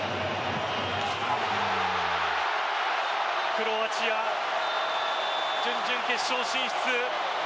クロアチア、準々決勝進出。